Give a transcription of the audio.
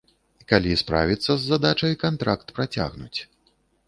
Калі справіцца з задачай, кантракт працягнуць.